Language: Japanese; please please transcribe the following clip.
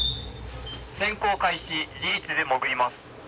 潜航開始自律で潜ります。